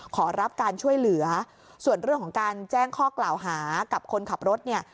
ขอรับการช่วยเหลือส่วนเรื่องของการแจ้งข้อกล่าวหากับคนขับรถเนี่ย